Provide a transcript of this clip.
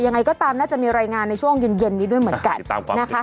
ยังไงก็ตามน่าจะมีรายงานในช่วงเย็นนี้ด้วยเหมือนกันนะคะ